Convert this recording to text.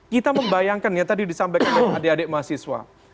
kita membayangkan ya tadi disampaikan oleh adik adik mahasiswa